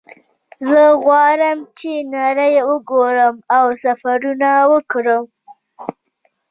زه غواړم چې نړۍ وګورم او سفرونه وکړم